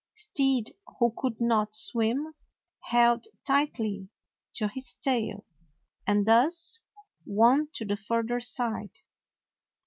Stead, who could not swim, held tightly to his tail, and thus won to the further side.